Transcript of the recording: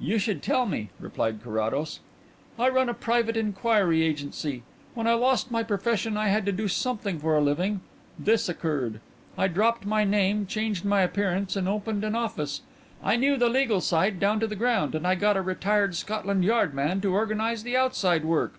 "You shall tell me," replied Carrados. "I run a private inquiry agency. When I lost my profession I had to do something for a living. This occurred. I dropped my name, changed my appearance and opened an office. I knew the legal side down to the ground and I got a retired Scotland Yard man to organize the outside work."